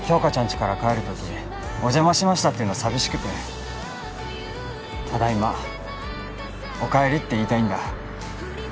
ちから帰るとき「お邪魔しました」って言うの寂しくて「ただいま」「おかえり」って言いたいんだ